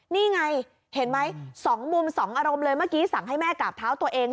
นี่ไงเห็นไหม๒มุม๒อารมณ์เลยเมื่อกี้สั่งให้แม่กราบเท้าตัวเอง